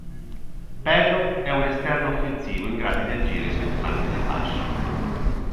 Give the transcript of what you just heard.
Pedro è un esterno offensivo in grado di agire su entrambe le fasce.